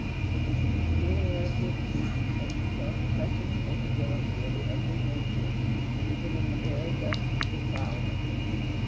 It was the peculiarity of Jesus that he saw the precious capability of every nature, even in the very dust of defilement.